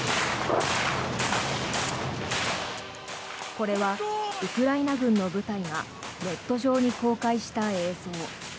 これはウクライナ軍の部隊がネット上に公開した映像。